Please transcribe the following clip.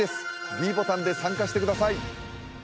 ｄボタンで参加してください